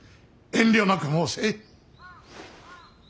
遠慮なく申せ。